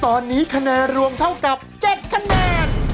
ตอนนี้คะแนนรวมเท่ากับ๗คะแนน